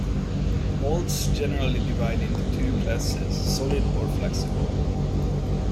Molds generally divide into two classes: solid or flexible.